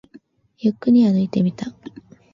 ゆっくり歩いてみた